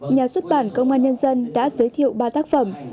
nhà xuất bản công an nhân dân đã giới thiệu ba tác phẩm